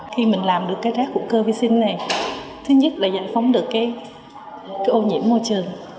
khi mình làm được rác hữu cơ vệ sinh này thứ nhất là giải phóng được ô nhiễm môi trường